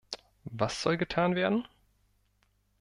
Was soll getan werden?